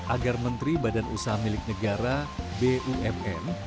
agar menteri badan usaha milik negara bumn